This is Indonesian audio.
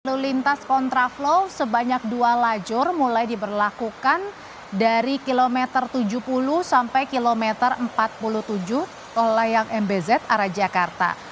lalu lintas kontraflow sebanyak dua lajur mulai diberlakukan dari kilometer tujuh puluh sampai kilometer empat puluh tujuh tol layang mbz arah jakarta